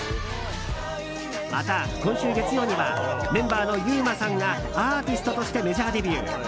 また今週月曜にはメンバーのゆうまさんがアーティストとしてメジャーデビュー。